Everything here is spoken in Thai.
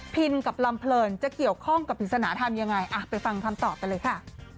กับลำเพลินจะเกี่ยวข้องกับปริศนาธรรมยังไงไปฟังคำตอบกันเลยค่ะ